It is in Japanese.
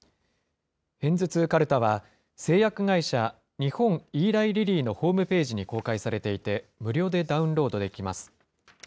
ヘンズツウかるたは、製薬会社、日本イーライリリーのホームページに公開されていて、無料でダウンロードできます。